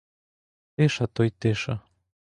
Тиша то й тиша.